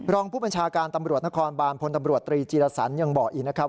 ร้องผู้บัญชาการตำรวจถบานพมตริจีรษันเธออย่างบอกอีกนะครับ